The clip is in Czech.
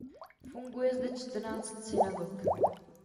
Funguje zde čtrnáct synagog.